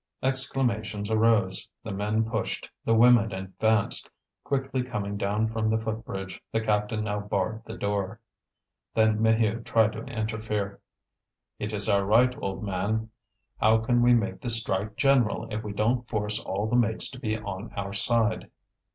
Exclamations arose, the men pushed, the women advanced. Quickly coming down from the foot bridge, the captain now barred the door. Then Maheu tried to interfere. "It is our right, old man. How can we make the strike general if we don't force all the mates to be on our side?"